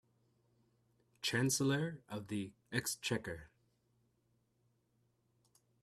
Chancellor of the Exchequer